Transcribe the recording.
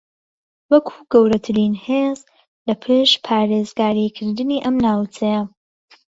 وەکو گەورەترین ھێز لە پشت پارێزگاریکردنی ئەم ناوچەیە